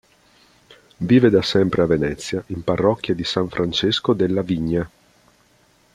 Vive da sempre a Venezia in parrocchia di San Francesco della Vigna.